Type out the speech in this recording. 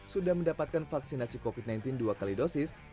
sudah mendapatkan vaksinasi covid sembilan belas dua kali dosis